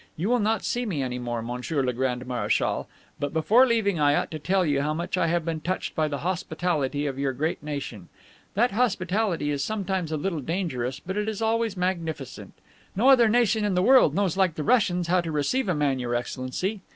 You will not see me any more, Monsieur le Grand Marechal; but before leaving I ought to tell you how much I have been touched by the hospitality of your great nation. That hospitality is sometimes a little dangerous, but it is always magnificent. No other nation in the world knows like the Russians how to receive a man, Your Excellency.